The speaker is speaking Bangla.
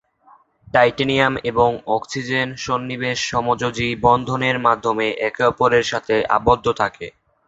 টাইটানিয়াম এবং অক্সিজেন সন্নিবেশ সমযোজী বন্ধনের মাধ্যমে একে অপরের সাথে আবদ্ধ থাকে।